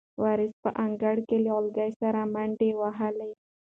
وارث په انګړ کې له غولکې سره منډې وهلې.